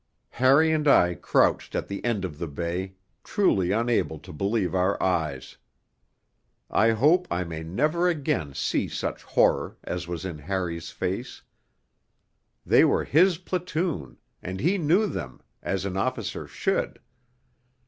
Harry and I crouched at the end of that bay, truly unable to believe our eyes. I hope I may never again see such horror as was in Harry's face. They were his platoon, and he knew them, as an officer should.